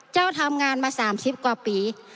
เจ้าทำงานมา๓๐กว่าปี